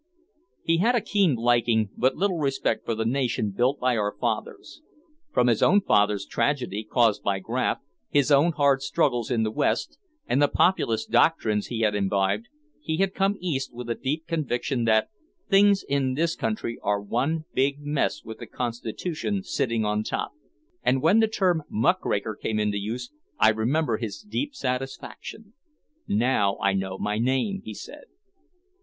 He had a keen liking but little respect for the nation built by our fathers. From his own father's tragedy, caused by graft, his own hard struggles in the West and the Populist doctrines he had imbibed, he had come East with a deep conviction that "things in this country are one big mess with the Constitution sitting on top." And when the term "muckraker" came into use, I remember his deep satisfaction. "Now I know my name," he said.